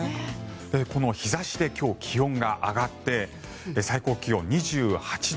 この日差しで今日、気温が上がって最高気温２８度。